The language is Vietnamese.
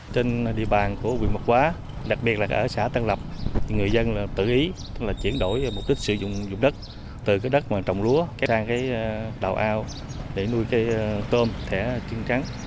trên địa bàn của huyện mộc hóa đặc biệt là ở xã tân lập người dân tự ý tức là chuyển đổi mục đích sử dụng dụng đất từ đất mà trồng lúa sang đảo ao để nuôi tôm thẻ chân trắng